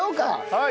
はい。